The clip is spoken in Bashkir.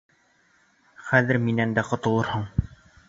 Хәҙер минән дә ҡотолорһоң.